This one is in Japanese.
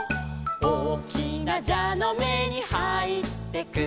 「おおきなじゃのめにはいってく」